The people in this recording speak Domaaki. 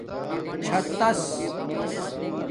چھاتس